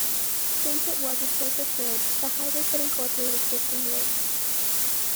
Since it was a surface road, the highway could incorporate existing roads.